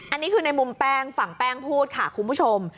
อันนี้คือในมุมแป้งฝั่งแป้งพูดค่ะคุณผู้ชม